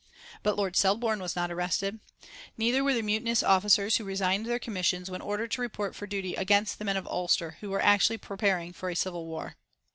But Lord Selborne was not arrested. Neither were the mutinous officers who resigned their commissions when ordered to report for duty against the men of Ulster who were actually preparing for civil war.